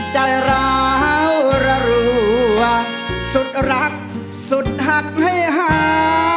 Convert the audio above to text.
ใจร้าวรัวสุดรักสุดหักให้หา